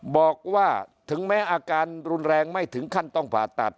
บอกว่าถึงแม้อาการรุนแรงไม่ถึงขั้นต้องผ่าตัด